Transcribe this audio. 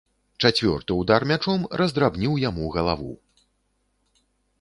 Чацвёрты ўдар мячом раздрабніў яму галаву.